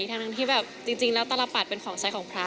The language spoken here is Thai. แทนที่จริงแล้วตัลาดเป็นของใส่ของพระ